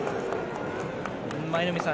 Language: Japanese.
舞の海さん